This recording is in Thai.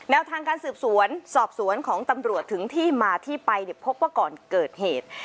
ทางการสืบสวนสอบสวนของตำรวจถึงที่มาที่ไปพบว่าก่อนเกิดเหตุ